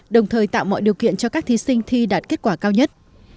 đồng thời tạo mọi điều kiện cho các thí sinh thi đạt kết quả cao nhất